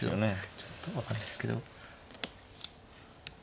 ちょっと分かんないですけど。